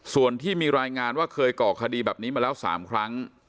ส่วนที่มีรายงานว่าเคยก่อคดีแบบนี้มาแล้ว๓ครั้ง